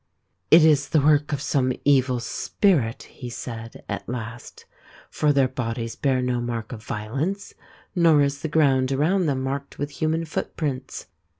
" It is the work of some evil spirit," he said at last, " for their bodies bear no mark of violence, nor is the ground around them marked with human footprints.